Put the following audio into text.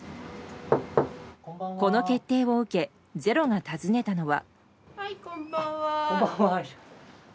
この決定を受け「ｚｅｒｏ」が訪ねたのは。